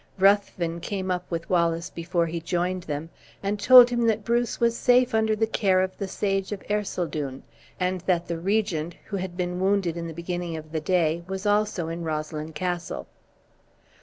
Ruthven came up with Wallace before he joined them, and told him that Bruce was safe under the care of the sage of Ercildown, and that the regent, who had been wounded in the beginning of the day, was also in Roslyn Castle.